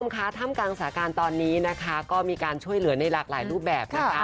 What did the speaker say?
คุณค้าทำการสระกันตอนนี้นะคะก็มีการช่วยเหลือในหลากหลายรูปแบบนะคะ